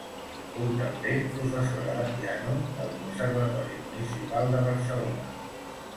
Fou també professora de piano del Conservatori Municipal de Barcelona.